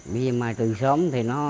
bây giờ mài từ sớm thì nó